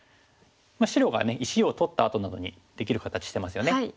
白が石を取ったあとなどにできる形してますよね。